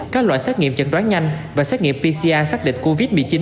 các loại xét nghiệm chẩn đoán nhanh và xét nghiệm pci xác định covid một mươi chín